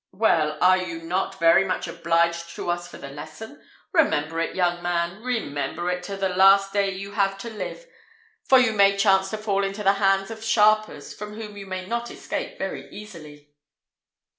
Well, are you not very much obliged to us for the lesson? Remember it, young man; remember it, to the last day you have to live; for you may chance to fall into the hands of sharpers, from whom you may not escape very easily."